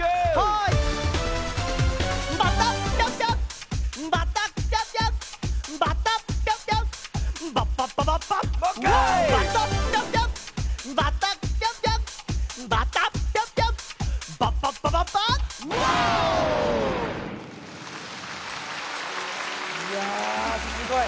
いやすごい！